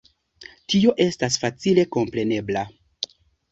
Tio estas facile komprenebla.